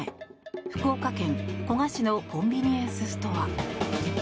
福岡県古賀市のコンビニエンスストア。